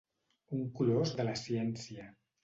Un colós de la ciència.